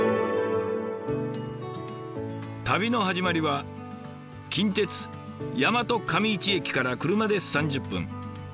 旅の始まりは近鉄大和上市駅から車で３０分。